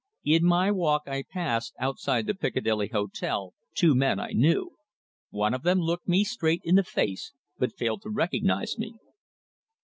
In my walk I passed, outside the Piccadilly Hotel, two men I knew. One of them looked me straight in the face but failed to recognise me.